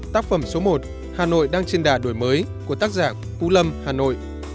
tác phẩm số một hà nội đang trên đà đổi mới của tác giả vũ lâm hà nội